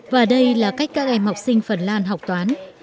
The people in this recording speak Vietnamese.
và đây là cách các em học sinh phần lan học toán